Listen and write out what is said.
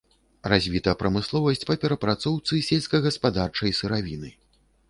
Развіта прамысловасць па перапрацоўцы сельскагаспадарчай сыравіны.